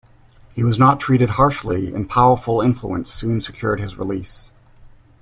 He was not treated harshly, and powerful influence soon secured his release.